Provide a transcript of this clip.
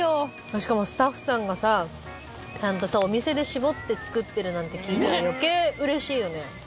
しかもスタッフさんがさちゃんとさお店で搾って作ってるなんて聞いたら余計うれしいよね。